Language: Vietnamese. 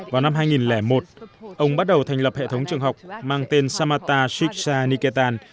vào năm hai nghìn một ông bắt đầu thành lập hệ thống trường học mang tên samatha shikshaniketan